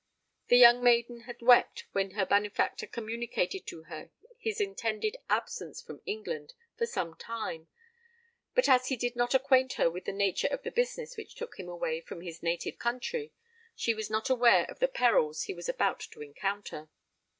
The young maiden had wept when her benefactor communicated to her his intended absence from England for some time; but, as he did not acquaint her with the nature of the business which took him way from his native country, she was not aware of the perils he was about to encounter.